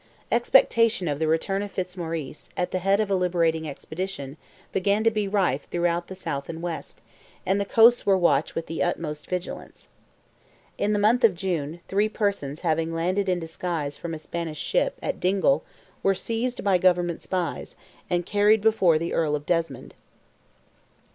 Expectation of the return of Fitzmaurice, at the head of a liberating expedition, began to be rife throughout the south and west, and the coasts were watched with the utmost vigilance. In the month of June, three persons having landed in disguise from a Spanish ship, at Dingle, were seized by government spies, and carried before the Earl of Desmond.